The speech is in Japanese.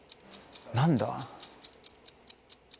何だ？